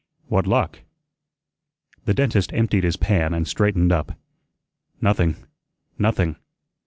"What luck?" The dentist emptied his pan and straightened up. "Nothing, nothing.